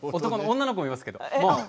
女の子もいますけれども。